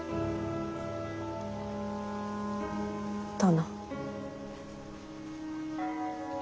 殿。